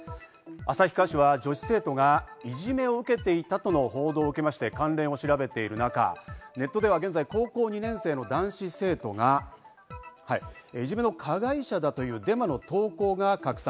旭川市は女子生徒がいじめを受けていたとの報道を受けまして関連を調べている中、ネットでは現在、高校２年生の男子生徒がいじめの加害者だというデマの投稿が拡散。